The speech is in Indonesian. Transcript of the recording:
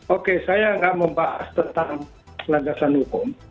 oke saya nggak membahas tentang landasan hukum